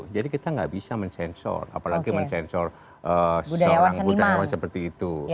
jadi kita gak bisa mensensor apalagi mensensor seorang budayawan seperti itu